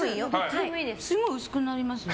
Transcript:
すごい薄くなりますね。